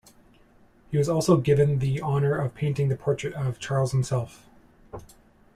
He was also given the honour of painting the portrait of Charles himself.